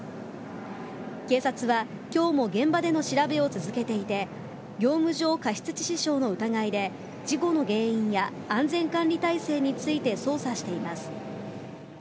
警察は今日も現場での調べを続けていて業務上過失致死傷の疑いで事故の原因や安全管理体制について捜査しています。